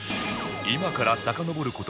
今からさかのぼる事